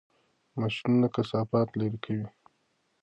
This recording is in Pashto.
ماشینونه کثافات لرې کوي.